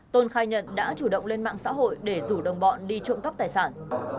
tôn khai nhận đã chủ động lên mạng xã hội để rủ đồng bọn đi trộm cắp tài sản